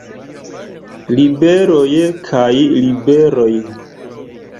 Ribeloj kaj Liberoj.